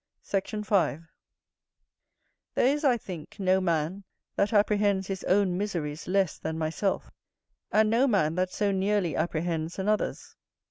Sect. 5. There is, I think, no man that apprehends his own miseries less than myself; and no man that so nearly apprehends another's.